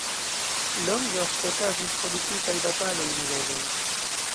Longe ofte okazis politikaj bataloj, ribeloj.